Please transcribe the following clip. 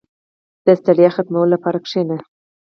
• د ستړیا ختمولو لپاره کښېنه.